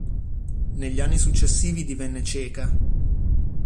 Negli anni successivi divenne cieca.